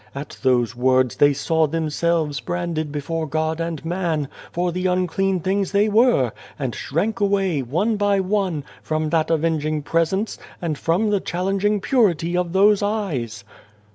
At those words they saw themselves branded before God and man, for the unclean things they were ; and shrank away, one by one, from that avenging presence, and from the challenging purity of those eyes.